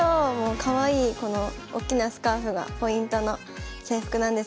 かわいいこのおっきなスカーフがポイントの制服なんですけどこれで。